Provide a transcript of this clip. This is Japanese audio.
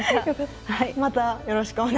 またよろしくお願いします。